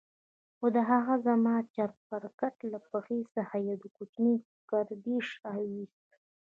خو هغه زما د چپرکټ له پښې څخه يو کوچنى ګردى شى راوايست.